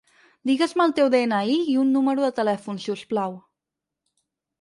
Digues-me el teu de-ena-i i un número de telèfon, si us plau.